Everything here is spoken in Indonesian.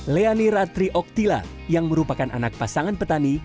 leani ratri oktila yang merupakan anak pasangan petani